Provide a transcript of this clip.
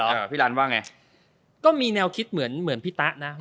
พี่รันว่าไงก็มีแนวคิดเหมือนเหมือนพี่ตะนะ